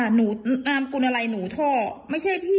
หมูครับ